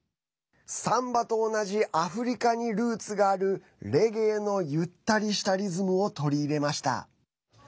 サンバと同じアフリカにルーツがあるレゲエのゆったりしたリズムを取り入れました。